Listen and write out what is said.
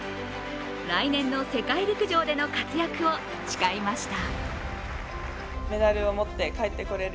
来年の世界陸上での活躍を誓いました。